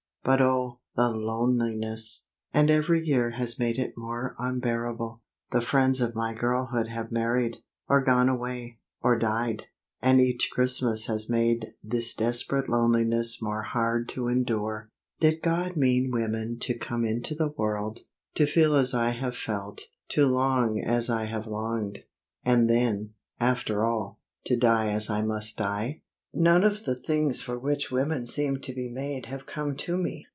But oh, the loneliness! And every year has made it more unbearable. The friends of my girlhood have married, or gone away, or died, and each Christmas has made this desperate loneliness more hard to endure. Did God mean women to come into the world, to feel as I have felt, to long as I have longed, and then, after all, to die as I must die? None of the things for which women seem to be made have come to me.